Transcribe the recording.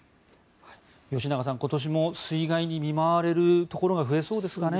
吉永さん、今年も水害に見舞われるところが増えそうですかね。